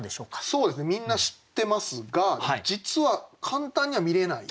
そうですねみんな知ってますが実は簡単には見れない。